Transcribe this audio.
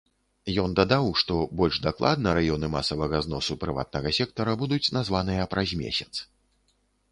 Ён дадаў, што больш дакладна раёны масавага зносу прыватнага сектара будуць названыя праз месяц.